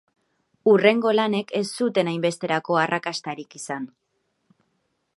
Hurrengo lanek ez zuten hainbesteko arrakastarik izan.